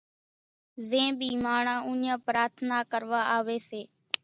زين ٻي ماڻۿان اُوڃان پرارٿنا ڪروا آوي سي